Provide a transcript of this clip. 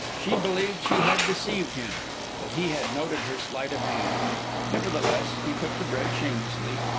She believed she had deceived him, but he had noted her sleight of hand. Nevertheless, he took the bread shamelessly.